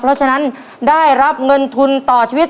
เพราะฉะนั้นได้รับเงินทุนต่อชีวิต